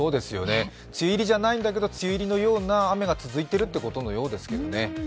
梅雨入りじゃないんだけど、梅雨入りのような雨が続いているということのようですけどね。